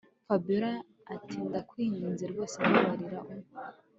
Fabiora atindakwinginze rwose mbararira umpe